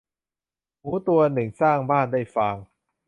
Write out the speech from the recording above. หมูตัวหนึ่งสร้างบ้านด้วยฟาง